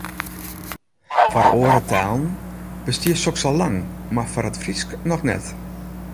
Foar oare talen bestie soks al lang, mar foar it Frysk noch net.